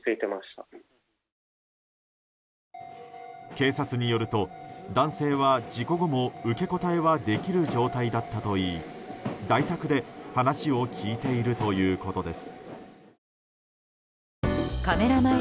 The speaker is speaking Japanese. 警察によると、男性は事故後も受け答えはできる状態だったといい在宅で話を聞いているということです。